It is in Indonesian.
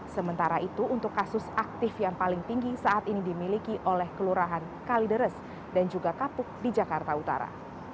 sementara itu untuk kasus aktif yang paling tinggi saat ini dimiliki oleh kelurahan kalideres dan juga kapuk di jakarta utara